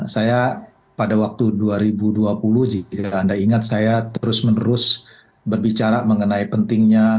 saya pada waktu dua ribu dua puluh jika anda ingat saya terus menerus berbicara mengenai pentingnya